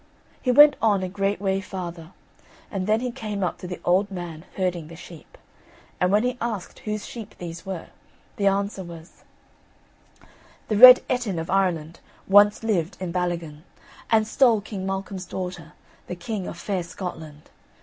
He went on a great way farther, and then he came up to the old man herding the sheep; and when he asked whose sheep these were, the answer was: "The Red Ettin of Ireland Once lived in Ballygan, And stole King Malcolm's daughter, The king of Fair Scotland.